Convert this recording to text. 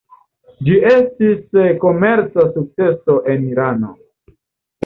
Ĝi estis komerca sukceso en Irano.